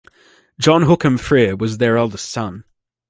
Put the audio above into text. John Hookham Frere was their eldest son.